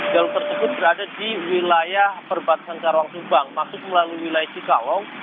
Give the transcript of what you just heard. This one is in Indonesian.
jeluh tersebut berada di wilayah perbatasan karawang subang maksud melalui wilayah sikalong